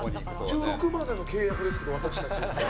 １６までの契約ですけど私たちって。